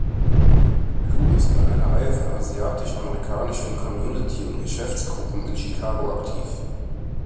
Loo ist mit einer Reihe von asiatisch-amerikanischen Community- und Geschäftsgruppen in Chicago aktiv.